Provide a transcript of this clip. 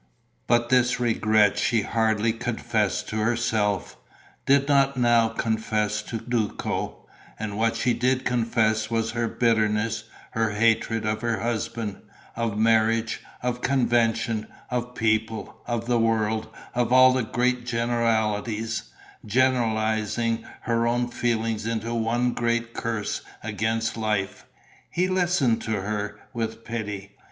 But this regret she hardly confessed to herself, did not now confess to Duco; and what she did confess was her bitterness, her hatred of her husband, of marriage, of convention, of people, of the world, of all the great generalities, generalizing her own feelings into one great curse against life. He listened to her, with pity.